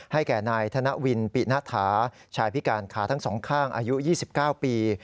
แก่นายธนวินปิณฐาชายพิการขาทั้งสองข้างอายุ๒๙ปี